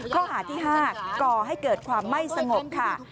ข้อหาที่๕ก่อให้เกิดความไม่สงบค่ะ